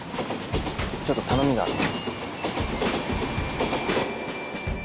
ちょっと頼みがあって。